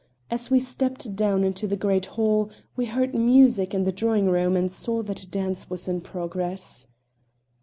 As we stepped down into the great hall we heard music in the drawing room and saw that a dance was in progress.